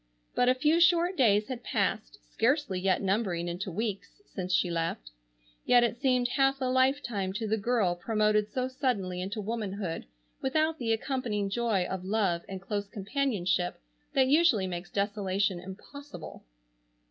But a few short days had passed, scarcely yet numbering into weeks, since she left, yet it seemed half a lifetime to the girl promoted so suddenly into womanhood without the accompanying joy of love and close companionship that usually makes desolation impossible.